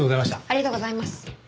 ありがとうございます。